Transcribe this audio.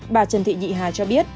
bà trần thị nhị hà